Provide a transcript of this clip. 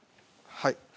はい。